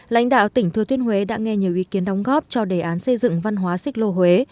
lãnh đạo tỉnh thừa tuyên huế đã nghe nhiều ý kiến đóng góp cho đề án xây dựng văn hóa xích lô huế